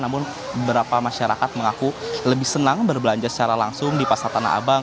namun beberapa masyarakat mengaku lebih senang berbelanja secara langsung di pasar tanah abang